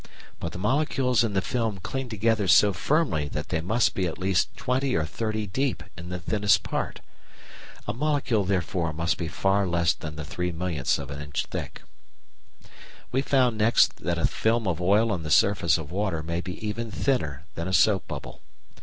But the molecules in the film cling together so firmly that they must be at least twenty or thirty deep in the thinnest part. A molecule, therefore, must be far less than the three millionth of an inch thick. We found next that a film of oil on the surface of water may be even thinner than a soap bubble.